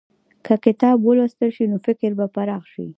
که کتاب ولوستل شي، نو فکر به پراخ شي.